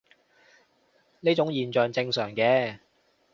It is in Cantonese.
呢種現象正常嘅